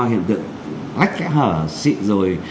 hiện tượng lách khẽ hở xịn rồi